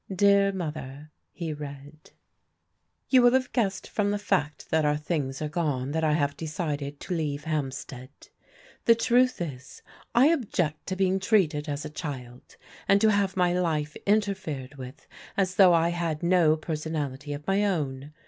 "Dear Mother" (he read), "You will have guessed from the fact that our things are gone that I have decided to leave HampsteaA The truth is I object to being treated as a child, and to have my life interfered with as though I had no person ality of my own.